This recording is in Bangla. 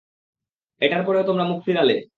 এটার পরেও তোমরা মুখ ফিরালে।